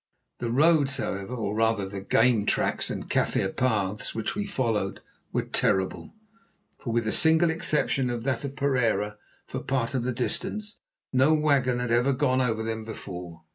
The roads, however, or rather the game tracks and Kaffir paths which we followed, were terrible, for with the single exception of that of Pereira for part of the distance, no wagon had ever gone over them before.